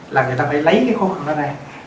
là người ta phải lấy cái khối phân nó ra